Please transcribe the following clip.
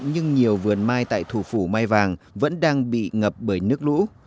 nhưng nhiều vườn mai tại thủ phủ mai vàng vẫn đang bị ngập bởi nước lũ